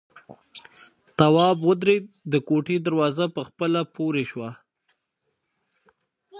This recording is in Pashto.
تواب ودرېد، د کوټې دروازه په خپله پورې شوه.